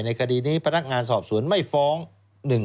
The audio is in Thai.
คดีนี้พนักงานสอบสวนไม่ฟ้อง